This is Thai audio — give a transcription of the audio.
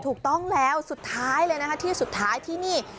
ถูกต้องแล้วสุดท้ายเลยนะคะที่สุดท้ายที่นี่